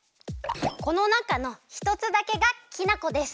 このなかのひとつだけがきな粉です。